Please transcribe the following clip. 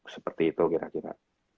seperti itu kira kira